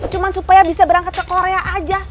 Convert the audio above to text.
cuma supaya bisa berangkat ke korea aja